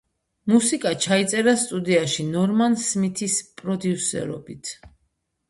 მუსიკა ჩაიწერა სტუდიაში ნორმან სმითის პროდიუსერობით.